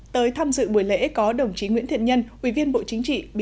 tới tham dự buổi lễ có đồng chí nguyễn thiện nhân ubnd tp hcm